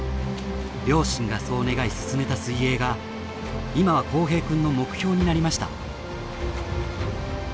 両親がそう願い勧めた水泳が今は幸平くんの目標になりました。